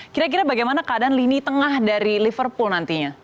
kira kira bagaimana keadaan lini tengah dari liverpool nantinya